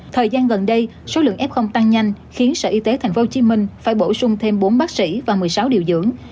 thời gian gần đây số lượng f tăng nhanh khiến sở y tế tp hcm phải bổ sung thêm bốn bác sĩ và một mươi sáu điều dưỡng